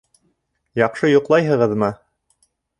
Яҡшы йоҡлайһығыҙмы?